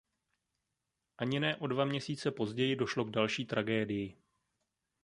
Ani ne o dva měsíce později došlo k další tragédii.